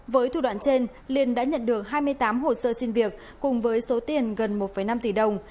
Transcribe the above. với thủ đoạn trên liên đã nhận được hai mươi tám hồ sơ xin việc cùng với số tiền gần một năm tỷ đồng